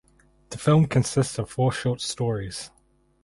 The film consists of four short stories.